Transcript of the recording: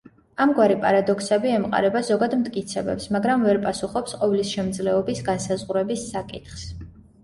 ამგვარი პარადოქსები ემყარება ზოგად მტკიცებებს, მაგრამ ვერ პასუხობს ყოვლისშემძლეობის განსაზღვრების საკითხს.